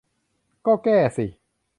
ก็แก้สิ